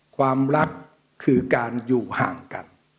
ความรักคือการอยู่ห่างกัน